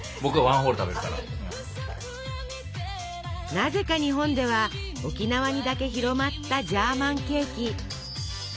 なぜか日本では沖縄にだけ広まったジャーマンケーキ。